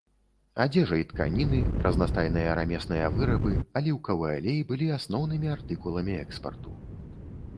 Адзежа і тканіны, разнастайныя рамесныя вырабы, аліўкавы алей былі асноўнымі артыкуламі экспарту.